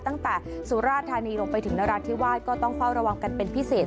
ตั้งแต่สุราชธานีลงไปถึงนราคที่วาดก็ต้องเฝ้าระวังกันเป็นพิเศษ